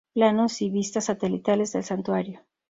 Planos y vistas satelitales del santuario.